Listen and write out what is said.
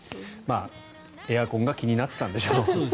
エアコンが気になってたんでしょう。